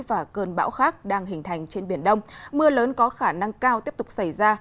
và cơn bão khác đang hình thành trên biển đông mưa lớn có khả năng cao tiếp tục xảy ra